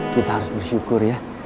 kita harus bersyukur ya